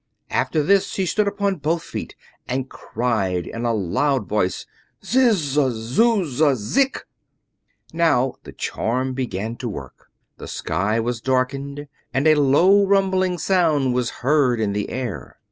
After this she stood upon both feet and cried in a loud voice: "Ziz zy, zuz zy, zik!" Now the charm began to work. The sky was darkened, and a low rumbling sound was heard in the air.